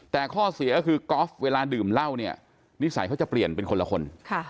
แต่ข้อเสียก็คือกอล์ฟเวลาดื่มเหล้าเนี่ยนิสัยเขาจะเปลี่ยนเป็นคนละคน